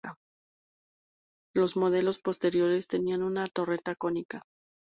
Los modelos posteriores tenían una torreta cónica.